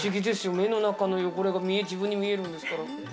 目の中の汚れが自分で見えるんですから。